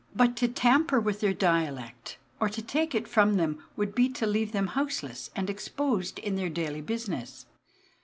But to tamper with their dialect, or to take it from them, would be to leave them houseless and exposed in their daily business.